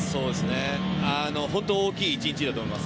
本当、大きい１日だと思います。